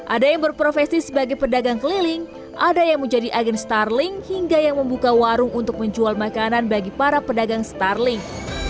ada yang berprofesi sebagai pedagang keliling ada yang menjadi agen starling hingga yang membuka warung untuk menjual makanan bagi para pedagang starling